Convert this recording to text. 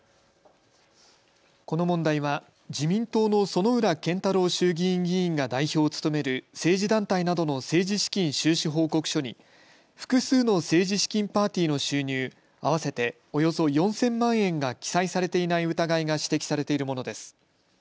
この問題は自民党の薗浦健太郎衆議院議員が代表を務める政治団体などの政治資金収支報告書に複数の政治資金パーティーの収入合わせておよそ４０００万円が記載されていない疑いが指摘されているものです。